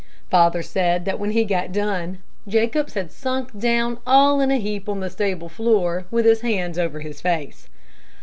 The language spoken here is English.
Father said that when he got done, Jacobs had sunk down all in a heap on the stable floor, with his hands over his face.